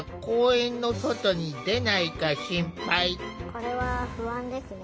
これは不安ですね。